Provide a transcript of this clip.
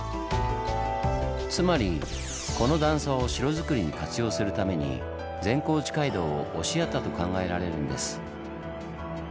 つまりこの段差を城づくりに活用するために善光寺街道を押しやったと考えられるんです。